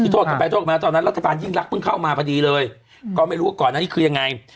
โทษกันไปโทษมาตอนนั้นรัฐบาลยิ่งรักเพิ่งเข้ามาพอดีเลยก็ไม่รู้ว่าก่อนอันนี้คือยังไง